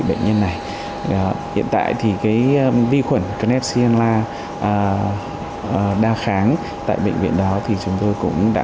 bệnh nhân này hiện tại thì cái vi khuẩn cnevella đa kháng tại bệnh viện đó thì chúng tôi cũng đã